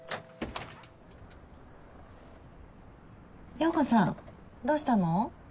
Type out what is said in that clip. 陽子さんどうしたの？